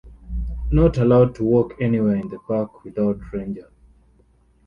Not allowed to walk anywhere in the park without ranger.